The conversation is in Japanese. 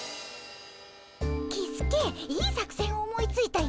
キスケいい作戦を思いついたよ。